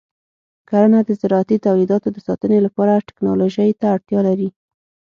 کرنه د زراعتي تولیداتو د ساتنې لپاره ټیکنالوژۍ ته اړتیا لري.